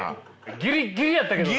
ギリッギリやったけどな。